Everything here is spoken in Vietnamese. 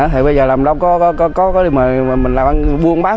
thì bây giờ làm đâu có đi mà mình làm ăn buôn bán